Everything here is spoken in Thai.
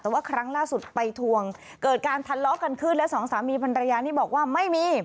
แต่ว่าครั้งล่าสุดไปทวงเกิดการทะเลาะกันขึ้นและสองสามีภรรยานี่บอกว่าไม่มี